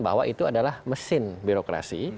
bahwa itu adalah mesin birokrasi